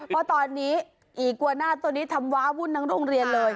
ก็ตอนนี้อีกวาหน้าตัวนี้ทำว้าวุ่นในโรงเรียนเลย